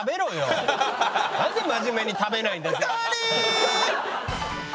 なんで真面目に食べないんだよ。